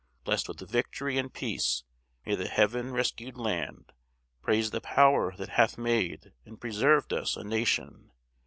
Blest with victory and peace, may the heaven rescued land Praise the Power that hath made and preserved us a nation.